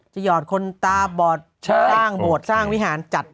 หยอดคนตาบอดสร้างโบสถ์สร้างวิหารจัด